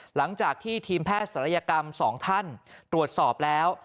หลังจากที่ทีมแพทย์ศัลยกรรม๒ท่านตรวจสอบแล้ว